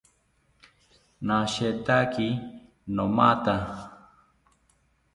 Nashetaki nomatha